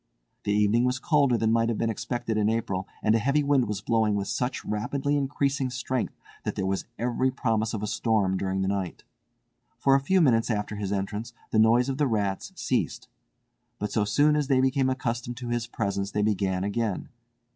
The evening was colder than might have been expected in April, and a heavy wind was blowing with such rapidly increasing strength that there was every promise of a storm during the night. For a few minutes after his entrance the noise of the rats ceased; but so soon as they became accustomed to his presence they began again.